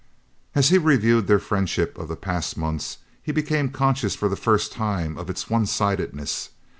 As he reviewed their friendship of the past months he became conscious for the first time of its one sidedness.